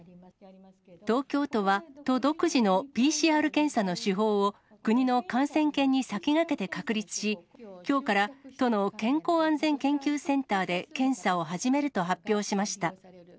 東京都は、都独自のＰＣＲ検査の手法を国の感染研に先駆けて確立し、きょうから都の健康安全研究センターで検査を始めると発表しました。